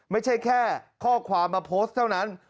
ไม่ใช่แค่ข้อความมาโพสต์เท่านั้น